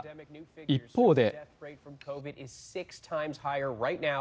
一方で。